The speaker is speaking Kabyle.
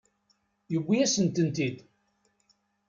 Yewwi-yasent-tent-id.